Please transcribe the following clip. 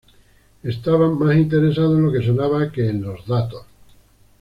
Estaban más interesados en lo que sonaba que en los datos!".